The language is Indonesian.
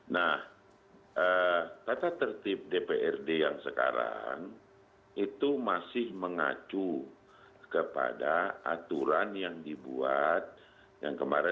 nah tata tertib dprd yang sekarang itu masih mengacu kepada aturan yang dibuat yang kemarin